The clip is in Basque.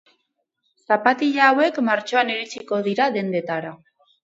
Zapatila hauek martxoan iritsiko dira dendetara.